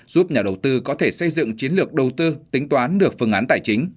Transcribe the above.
giúp nhà đầu tư có thể xây dựng chiến lược đầu tư tính toán được phương án tài chính